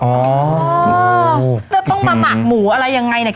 จะต้องมาหมักหมูอะไรยังไงเนี่ย